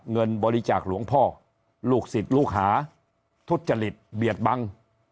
เงินบริจาคหลวงพ่อลูกศิษย์ลูกหาทุจจริตเบียดบัง